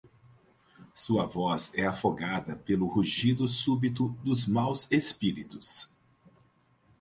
Sua voz é afogada pelo rugido súbito dos maus espíritos.